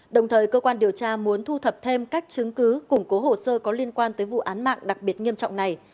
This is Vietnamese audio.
đồng thời cơ quan điều tra muốn thu thập thêm các chứng cứ củng cố hồ sơ có liên quan tới vụ án mạng đặc biệt nghiêm trọng này